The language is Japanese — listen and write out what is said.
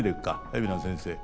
海老名先生。